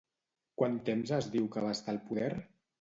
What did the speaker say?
Quant temps es diu que va estar al poder?